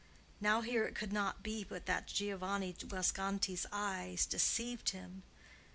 Now, here it could not be but that Giovanni Guasconti's eyes deceived him.